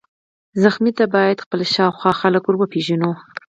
ټپي ته باید خپل شاوخوا خلک وروپیژنو.